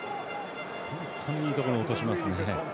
本当にいいところに落としますね。